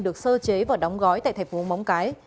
được sơ chế và đóng gói tại tp móng cái